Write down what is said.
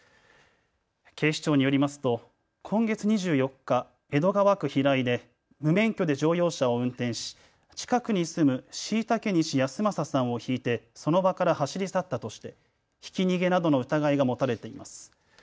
警視庁によりますと今月２４日、江戸川区平井で無免許で乗用車を運転し近くに住む後嵩西安正さんをひいてその場から走り去ったとしてひき逃げなどの疑いが持たれています。